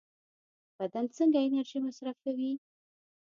بدن څنګه انرژي مصرفوي؟